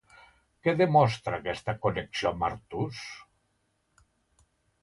Què demostra aquesta connexió amb Artús?